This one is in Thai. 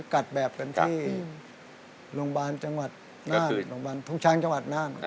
กัดแบบกันที่โรงพยาบาลจังหวัดน่านโรงพยาบาลทุ่งช้างจังหวัดน่าน